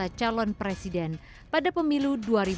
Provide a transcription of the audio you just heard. joko widodo adalah calon presiden pada pemilu dua ribu sembilan belas